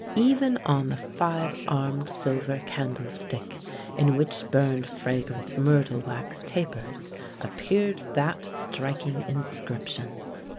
Even on the five armed silver candle stick in which burned fragrant myrtle wax tapers appeared that striking inscription.